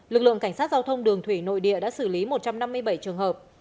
lực lượng cảnh sát giao thông đường thủy nội địa đã xử lý một trăm năm mươi bảy trường hợp